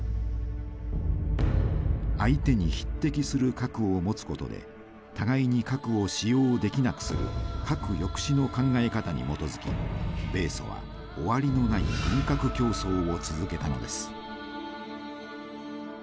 相手に匹敵する核を持つことで互いに核を使用できなくする「核抑止」の考え方に基づき米ソは終わりのない軍拡競争を続けたのです。